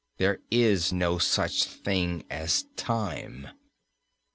"There is no such thing as time!"